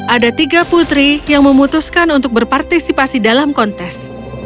ada tiga putri yang memutuskan untuk berpartisipasi dalam kontes